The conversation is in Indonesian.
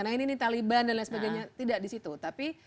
nah ini taliban dan lain sebagainya tidak disitu tapi